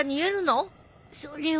それは。